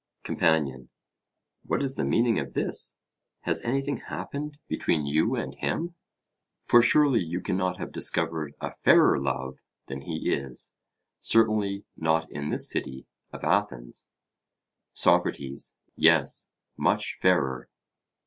COMPANION: What is the meaning of this? Has anything happened between you and him? For surely you cannot have discovered a fairer love than he is; certainly not in this city of Athens. SOCRATES: Yes, much fairer.